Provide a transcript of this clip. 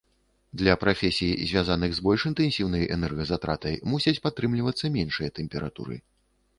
Для прафесій, звязаных з больш інтэнсіўнай энергазатратай, мусяць падтрымлівацца меншыя тэмпературы.